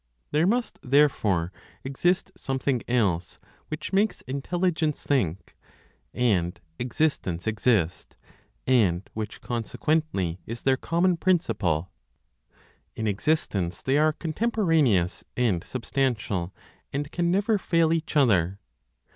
There must therefore exist something else which makes intelligence think, and existence exist, and which consequently is their common principle. In existence they are contemporaneous and substantial, and can never fail each other.